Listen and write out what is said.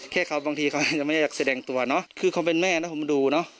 แค่เขาบางทีเขาอาจจะไม่ได้อยากแสดงตัวเนอะคือคนเป็นแม่นะผมดูเนอะ